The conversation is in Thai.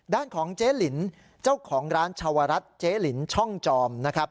ด้านของเจ๊ลินเจ้าของร้านชาวรัฐเจ๊ลินช่องจอมนะครับ